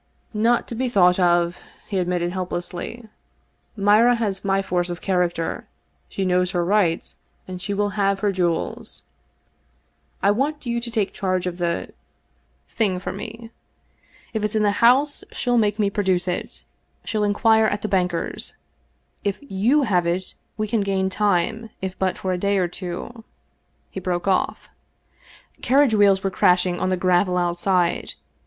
" Not to be thought of," he admitted helplessly. " Mira has my force of character. She knows her rights, and she will have her jewels. I want you to take charge of the — thing for me. If it's in the house she'll make me produce it. She'll inquire at the banker's. If you have it we can gain time, if but for a day or two." He broke off. Carriage wheels were crashing on the gravel outside.